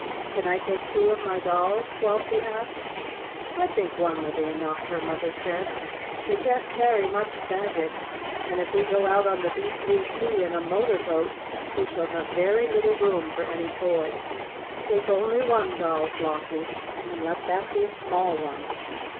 "Can I take two of my dolls?" Flossie asked. "I think one will be enough," her mother said. "We can't carry much baggage, and if we go out on the deep blue sea in a motor boat we shall have very little room for any toys. Take only one doll, Flossie, and let that be a small one."